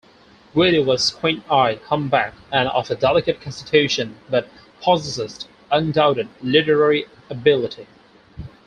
Guidi was squint-eyed, humpbacked, and of a delicate constitution, but possessed undoubted literary ability.